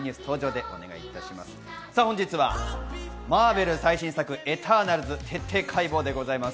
本日はマーベル最新作『エターナルズ』徹底解剖です。